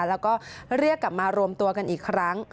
แล้วก็เรียกกลับมารวมตัวกันอีกครั้ง